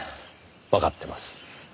わかってます。